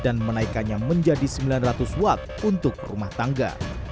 dan menaikannya menjadi sembilan ratus watt untuk rumah tangga